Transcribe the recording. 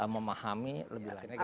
memahami lebih lainnya